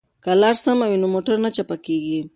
که لار سمه وي نو موټر نه چپه کیږي.